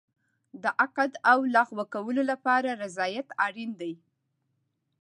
د عقد او لغوه کولو لپاره رضایت اړین دی.